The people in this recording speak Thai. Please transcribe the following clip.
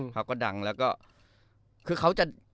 เขาก็ดังแล้วก็คือเขาจะ